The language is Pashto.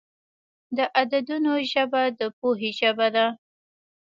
د عددونو ژبه د پوهې ژبه ده.